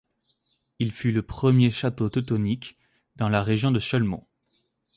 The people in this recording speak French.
Il fut le premier château teutonique dans la région de Chełmno.